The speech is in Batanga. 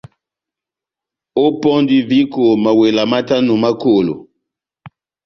Ópɔndi viko mawela matano ma kolo.